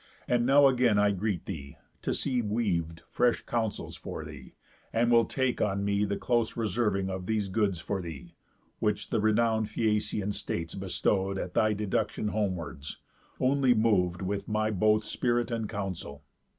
And now again I greet thee, to see weav'd Fresh counsels for thee, and will take on me The close reserving of these goods for thee, Which the renown'd Phæacian states bestow'd At thy deduction homewards, only mov'd With my both spirit and counsel.